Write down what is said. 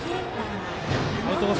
アウトコース